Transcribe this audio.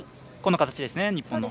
この形ですね、日本。